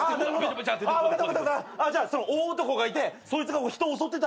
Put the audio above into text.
大男がいてそいつが人を襲ってた。